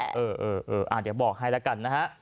เออเออเออเดี๋ยวบอกให้แล้วกันนะฮะ